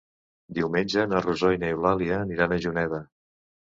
Diumenge na Rosó i n'Eulàlia aniran a Juneda.